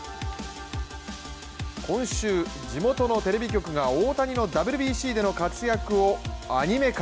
今週、地元のテレビ局が大谷のＷＢＣでの活躍をアニメ化。